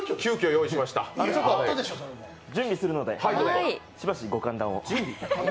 準備するので、しばしご歓談を。